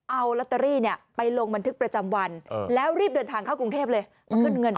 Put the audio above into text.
เอาลอตเตอรี่ไปลงบรรทึกประจำวันแล้วรีบเดินขึ้นไปร่างวันทางกรุงเทพเลย